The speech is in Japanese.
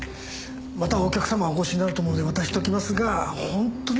またお客様お越しになると思うので渡しておきますが本当にいいんですか？